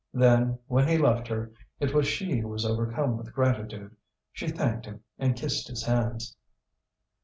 Then when he left her, it was she who was overcome with gratitude; she thanked him and kissed his hands.